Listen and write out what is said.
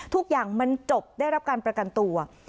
ทุกอย่างมันจบได้รับการประกันตัว